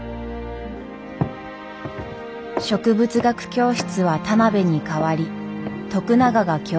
植物学教室は田邊に代わり徳永が教授となりました。